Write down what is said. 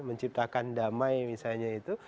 menciptakan damai misalnya itu